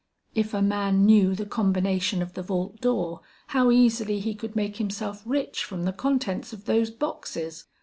'If a man knew the combination of the vault door, how easily he could make himself rich from the contents of those boxes!'